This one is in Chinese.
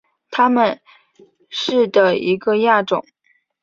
它们是的一个亚种。